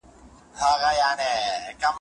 خیبره! سمندر دی، که افغان ملت وتلی